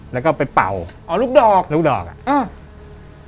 แล้วก็ไปเป่าอ๋อลูกดอกลูกดอกอ่ะอ่า